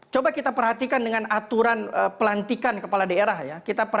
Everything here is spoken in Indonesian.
dan coba kita perhatikan dengan aturan pelantikan kepala daerah ya